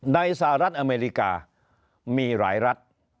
สหรัฐอเมริกามีหลายรัฐ